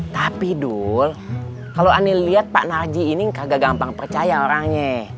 tapi dul kalau aneh liat pak narji ini gak gampang percaya orangnya